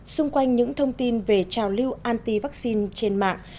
xung quanh những thông tin về trào lưu anti vaccine trên mạng